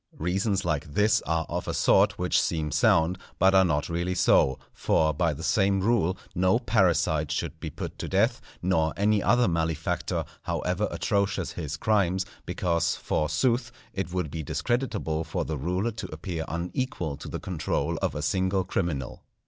Reasons like this are of a sort which seem sound, but are not really so; for, by the same rule, no parricide should be put to death, nor any other malefactor, however atrocious his crimes; because, forsooth, it would be discreditable to the ruler to appear unequal to the control of a single criminal.